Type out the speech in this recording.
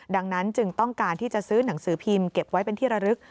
ดังนั้นจึงต้องการที่จะซื้อหนังสือพิมพ์เก็บไว้เป็นที่ระลึก